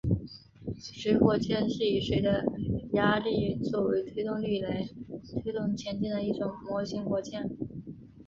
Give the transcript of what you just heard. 水火箭是以水的压力作为推动力来推动前进的一种模型火箭。